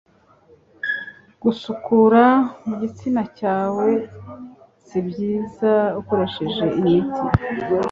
gusukura mu gitsina cyawe sibyzia ukoresha imiti